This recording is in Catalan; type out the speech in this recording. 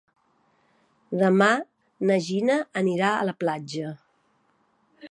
Demà na Gina anirà a la platja.